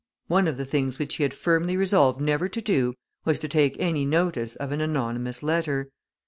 One of the things which he had firmly resolved never to do was to take any notice of an anonymous letter.